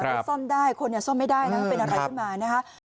มันซ่อมได้คนซ่อมไม่ได้นะว่าเป็นอะไรขึ้นมานะคะ